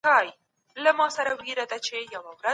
هر اثر يو مؤثر لري.